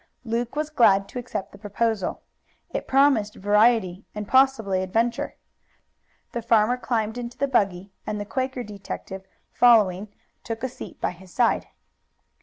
Luke was glad to accept the proposal. It promised variety and possibly adventure. The farmer climbed into the buggy and the Quaker detective, following, took a seat by his side.